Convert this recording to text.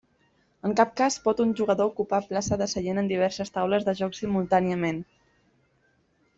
En cap cas pot un jugador ocupar plaça de seient en diverses taules de joc simultàniament.